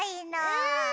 うん！